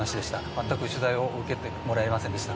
全く取材を受けてもらえませんでした。